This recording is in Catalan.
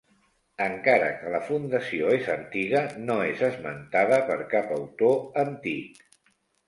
Encara que la fundació és antiga no és esmentada per cap autor antic.